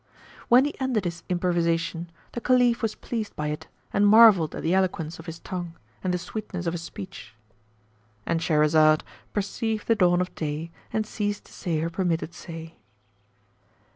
When he ended his improvisation the Caliph was pleased by it and marvelled at the eloquence of his tongue and the sweetness of his speech,—And Shahrazad perceived the dawn of day and ceased to say her permitted say.